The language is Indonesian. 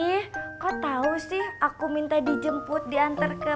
ih kok tau sih aku minta dijemput diantar ke paket